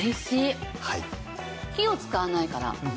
火を使わないから。